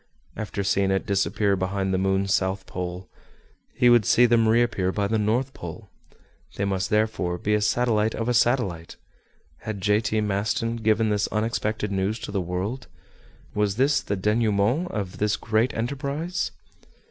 After seeing it disappear behind the moon's south pole, he would see them reappear by the north pole! They must therefore be a satellite of a satellite! Had J. T. Maston given this unexpected news to the world? Was this the denouement of this great enterprise?